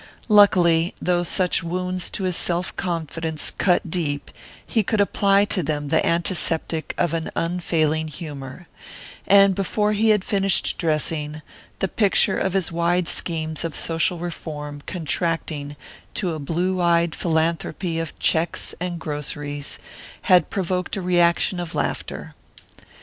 Luckily, though such wounds to his self confidence cut deep, he could apply to them the antiseptic of an unfailing humour; and before he had finished dressing, the picture of his wide schemes of social reform contracting to a blue eyed philanthropy of cheques and groceries, had provoked a reaction of laughter.